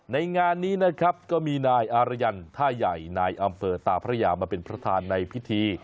ในงานนี้นะครับก็มีนายอารยันท่าใหญ่นายอำเภอตาพระยามาเป็นประธานในพิธี